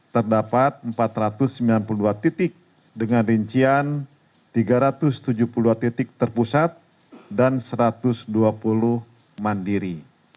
terdapat empat ratus sembilan puluh dua titik dengan rincian tiga ratus tujuh puluh dua titik terpusat dan satu ratus dua puluh mandiri